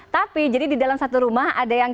tapi jadi di dalam satu rumah ada yang